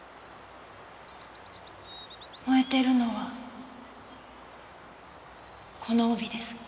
燃えてるのはこの帯です。